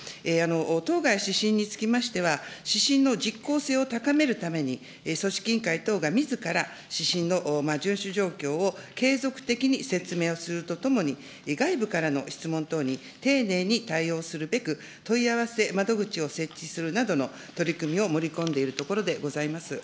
当該指針につきましては、指針の実効性を高めるために、組織委員会等がみずから指針の順守状況を継続的に説明をするとともに、外部からの質問等に丁寧に対応するべく、問い合わせ窓口を設置するなどの取り組みを盛り込んでいるところでございます。